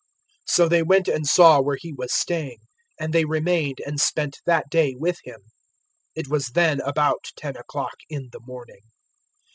So they went and saw where He was staying, and they remained and spent that day with Him. It was then about ten o'clock in the morning.